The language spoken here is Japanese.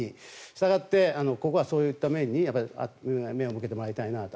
したがって、ここはそういった面に目を向けてもらいたいなと。